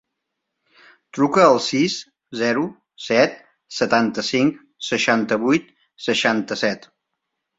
Truca al sis, zero, set, setanta-cinc, seixanta-vuit, seixanta-set.